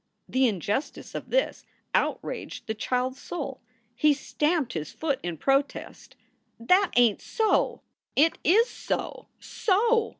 The injustice of this outraged the child s soul. He stamped his foot in protest. "That ain t so!" "It is so, so!"